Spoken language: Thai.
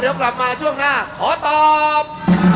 เดี๋ยวกลับมาช่วงหน้าขอตอบ